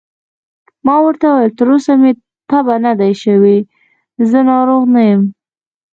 ما ورته وویل: تر اوسه مې تبه نه ده شوې، زه ناروغ نه یم.